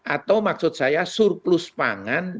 atau maksud saya surplus pangan